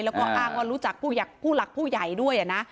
แล้วก็อ้างว่ารู้จักผู้หลักผู้ใหญ่ด้วยนะ